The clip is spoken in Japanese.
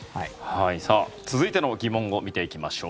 続いての疑問を見ていきましょう。